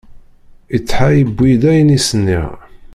Iṭḥa iwwi-d ayen i s-nniɣ.